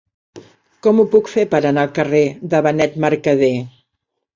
Com ho puc fer per anar al carrer de Benet Mercadé?